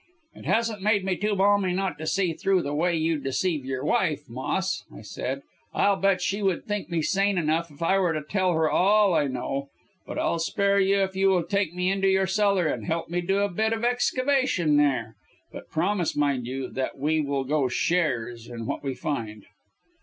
"'It hasn't made me too balmy not to see through the way you deceive your wife, Moss,' I said. 'I'll bet she would think me sane enough if I were to tell her all I know. But I'll spare you if you will take me into your cellar and help me to do a bit of excavation there. But promise, mind you, that we will go shares in what we find.'